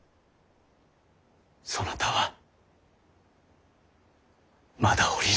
そなたはまだ降りるな。